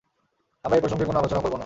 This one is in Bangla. আমরা এই প্রসঙ্গে কোনো আলোচনা করবো না।